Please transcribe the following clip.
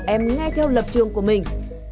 em nghe theo lập trường của mình